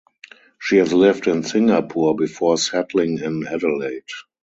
She has lived in Singapore before settling in Adelaide.